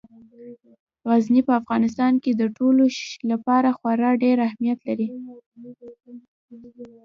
غزني په افغانستان کې د ټولو لپاره خورا ډېر اهمیت لري.